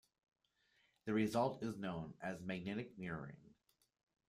The result is known as magnetic mirroring.